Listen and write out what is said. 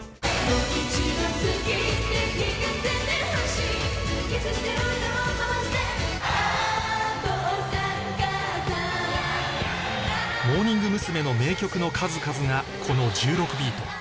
アー父さん母さんモーニング娘。の名曲の数々がこの１６ビート